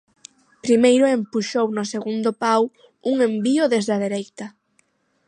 Primeiro empuxou no segundo pau un envío desde a dereita.